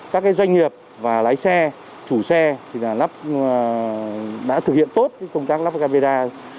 các doanh nghiệp lái xe chủ xe đã thực hiện tốt công tác lắp camera